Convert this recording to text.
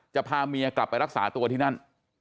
พาเมียกลับไปรักษาตัวที่นั่น